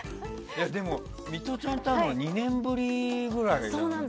でも、ミトちゃんと会うの２年ぶりぐらいだよね。